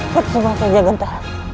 bersubah saja genta